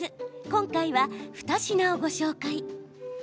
今回は２品をご紹介。